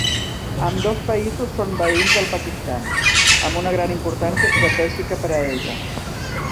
Ambdós països són veïns del Pakistan, amb una gran importància estratègica per a ella.